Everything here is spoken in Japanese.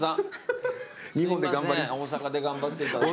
大阪で頑張って頂いて。